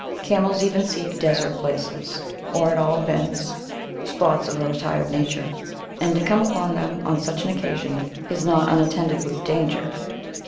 Camels even seek desert places, or, at all events, spots of a retired nature ; and to come upon them on such an occasion is not unattended with danger.